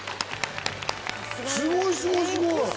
すごいすごいすごい！